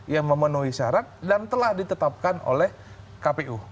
yang memenuhi syarat dan telah ditetapkan oleh kpu